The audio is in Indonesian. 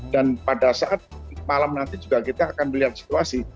dan pada saat malam nanti juga kita akan melihat situasi